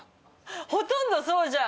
ほとんどそうじゃん！